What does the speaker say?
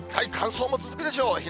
乾燥も続くでしょう。